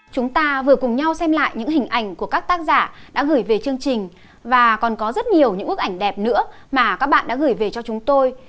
chúng ta vừa cùng nhau xem lại những hình ảnh của các tác giả đã gửi về chương trình và còn có rất nhiều những bức ảnh đẹp nữa mà các bạn đã gửi về cho chúng tôi